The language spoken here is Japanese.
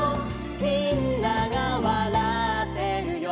「みんながわらってるよ」